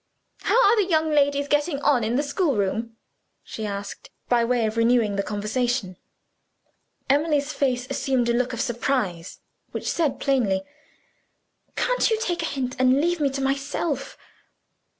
"How are the young ladies getting on in the schoolroom?" she asked, by way of renewing the conversation. Emily's face assumed a look of surprise which said plainly, Can't you take a hint and leave me to myself?